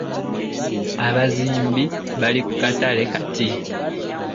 Abazimbi bali ku katale kati.